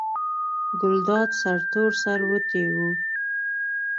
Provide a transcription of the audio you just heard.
ګلداد سرتور سر وتی و.